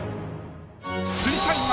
水彩画。